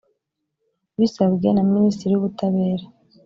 bisabwe na minisitiri w’ubutabera